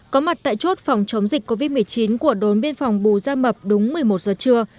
có mặt tại chốt phòng chống dịch covid một mươi chín của đồn biên phòng bù gia mập đúng một mươi một giờ trưa